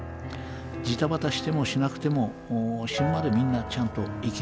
ジタバタしてもしなくても死ぬまでみんなちゃんと生きられます。